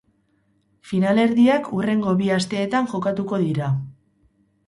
Finalerdiak hurrengo bi asteetan jokatuko dira.